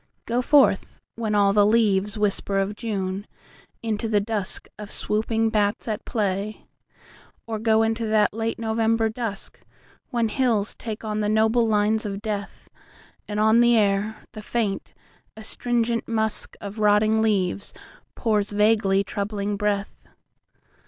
…Go forth, when all the leaves whisper of June, Into the dusk of swooping bats at play; Or go into that late November duskWhen hills take on the noble lines of death, And on the air the faint, astringent muskOf rotting leaves pours vaguely troubling breath.